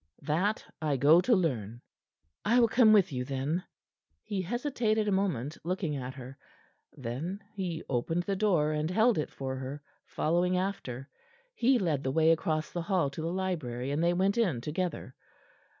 "That I go to learn." "I will come with you, then." He hesitated a moment, looking at her; then he opened the door, and held it for her, following after. He led the way across the hall to the library, and they went in together.